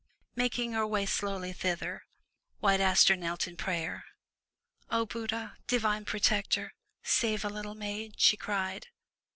Making her way slowly thither. White Aster knelt in prayer. 0 Buddha, divine protector, save a Httle maid!'* she cried.